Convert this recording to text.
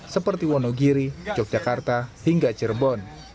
seperti wonogiri yogyakarta hingga cirebon